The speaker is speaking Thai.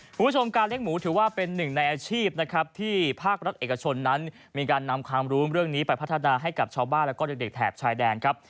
คุณผู้ชมการเลี้ยหมูถือว่าเป็นหนึ่งในอาชีพนะครับที่ภาครัฐเอกชนนั้นมีการนำความรู้เรื่องนี้ไปพัฒนาให้กับชาวบ้านแล้วก็เด็กแถบชายแดนครับ